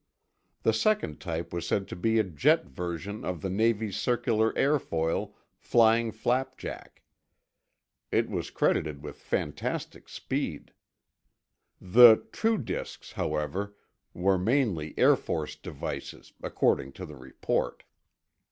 The second type was said to be a jet version of the Navy's circular airfoil "Flying Flapjack." It was credited with fantastic speed. The "true disks," however, were mainly Air Force devices, according to the report.